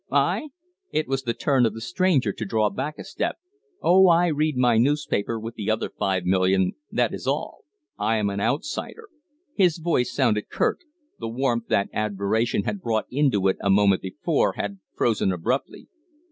"I ?" It was the turn of the stranger to draw back a step. "Oh, I read my newspaper with the other five million, that is all. I am an outsider." His voice sounded curt; the warmth that admiration had brought into it a moment before had frozen abruptly.